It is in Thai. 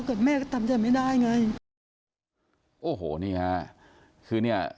แม่ก็ทำใจไม่ได้ไงโอ้โหนี่ฮะคือเนี่ย